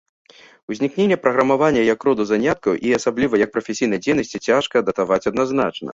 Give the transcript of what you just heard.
Узнікненне праграмавання як роду заняткаў, і, асабліва, як прафесійнай дзейнасці, цяжка датаваць адназначна.